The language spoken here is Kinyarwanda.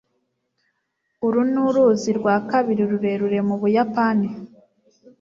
uru ni uruzi rwa kabiri rurerure mu buyapani